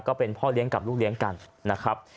ก็เป็นพ่อเลี้ยงกับลูกเลี้ยงกันนะครับ